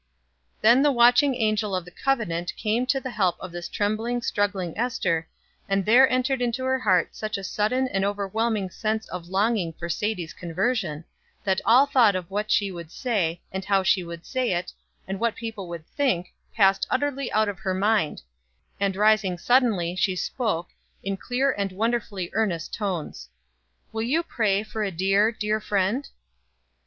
Then the watching Angel of the Covenant came to the help of this trembling, struggling Ester, and there entered into her heart such a sudden and overwhelming sense of longing for Sadie's conversion, that all thought of what she would say, and how she would say it, and what people would think, passed utterly out of her mind; and rising suddenly, she spoke, in clear and wonderfully earnest tones: "Will you pray for a dear, dear friend?"